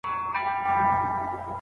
ـمنديزی شینواری ليکوال.